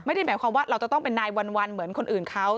ไม่ได้หมายความว่าเราจะต้องเป็นนายวันเหมือนคนอื่นเขา